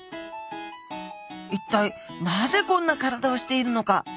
一体なぜこんな体をしているのか？